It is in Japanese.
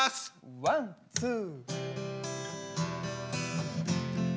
ワンツー。